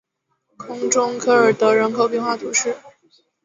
空中科尔德人口变化图示